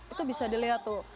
itu bisa dilihat tuh